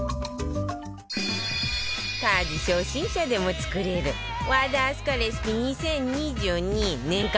家事初心者でも作れる和田明日香レシピ２０２２年間